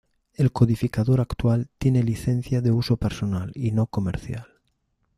El codificador actual tiene licencia de uso personal y no comercial.